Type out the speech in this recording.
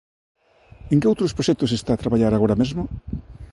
En que outros proxectos está a traballar agora mesmo?